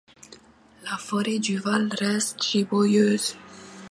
La forêt du Val reste giboyeuse.